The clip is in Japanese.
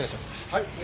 はい。